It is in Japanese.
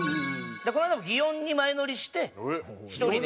この間も園に前乗りして１人で京都のね。